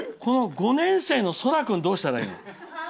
５年生のそら君はどうしたらいいの？